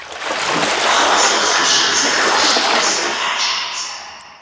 Неловкость его сообщалась и хорошенькой свояченице.